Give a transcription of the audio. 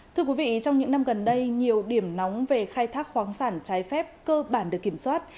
trong những năm gần đây nhiều điểm nóng về khai thác khoáng sản trái phép cơ bản được kiểm soát